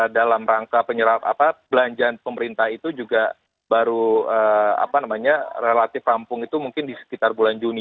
dalam rangka penyerap apa belanjaan pemerintah itu juga baru apa namanya relatif rampung itu mungkin di sekitar bulan juni